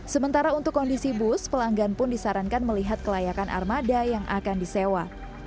sementara untuk kondisi bus pelanggan pun disarankan melihat kelayakan armada yang akan disewa